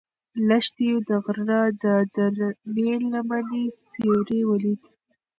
لښتې د غره د درنې لمنې سیوری ولید.